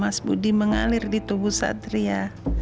mas budi mengalir di tubuh satria